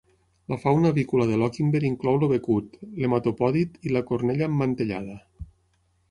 La fauna avícola de Lochinver inclou el becut, l'hematopòdid i la cornella emmantellada.